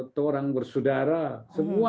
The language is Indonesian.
atau orang bersaudara semua